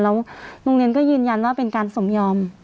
แล้วโรงเรียนก็ยืนยันว่าเป็นการสมยอม